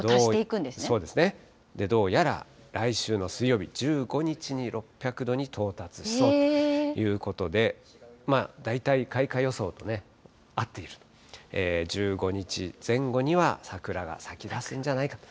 どうやら来週の水曜日、１５日に６００度に到達しそうということで、大体開花予想とね、合っていると、１５日前後には桜が咲きだすんじゃないかと。